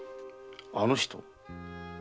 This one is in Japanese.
「あの人」？